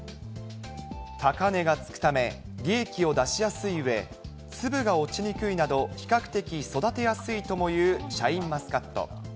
高値がつくため、利益を出しやすいうえ、粒が落ちにくいなど、比較的育てやすいともいうシャインマスカット。